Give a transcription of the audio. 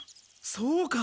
そうか。